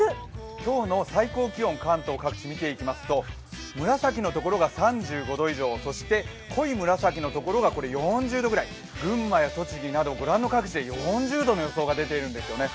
今日の最高気温、関東各地見ていきますと紫のところが３５度以上濃い紫のところが４０度ぐらい群馬や栃木、ご覧の各地で４０度の予想が出ているんですね。